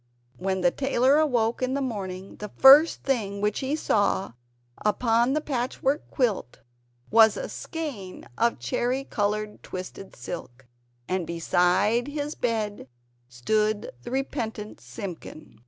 When the tailor awoke in the morning, the first thing which he saw, upon the patchwork quilt, was a skein of cherry coloured twisted silk, and beside his bed stood the repentant Simpkin!